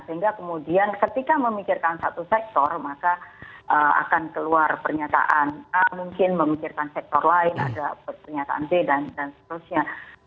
sehingga kemudian ketika memikirkan satu sektor maka akan keluar pernyataan a mungkin memikirkan sektor lain ada pernyataan b dan seterusnya